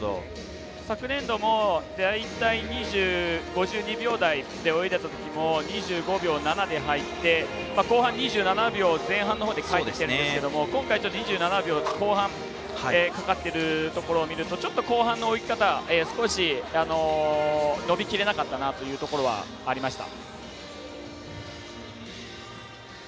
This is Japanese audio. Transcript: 昨年度も大体２５秒台で泳いでいたときも２５秒７で入って後半２７秒前半のほうで入ってるんですけど今回、２７秒の後半かかってるところを見るとちょっと後半の泳ぎ方少し伸びきらなかったなというところはありました。